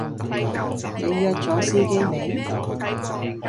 你約左司機未？